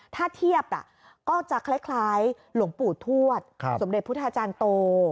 ถ้าเทียบก็จะคล้ายหลวงปู่ทวดสมเด็จพุทธาจารย์โต